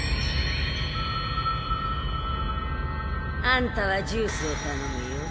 あんたはジュースをたのむよ。